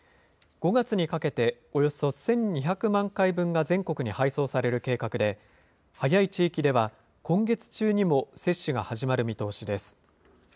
５月にかけて、およそ１２００万回分が全国に配送される計画で、早い地域では、今月中にも接種が始まる見通しです。